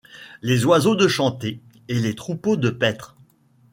Les oiseaux de chanter et les troupeaux de paître